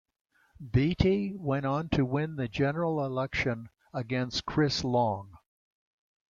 Beatty went on to win the general election against Chris Long.